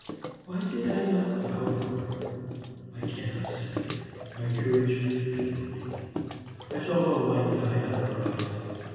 Why did I not bow to her? I cannot say; my courage failed me. I saw the light die out of her eyes.